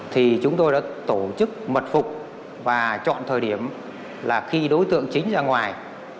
thì chúng tôi đã tổ chức mật phục và chọn thời điểm là khi đối tượng chính ra ngoài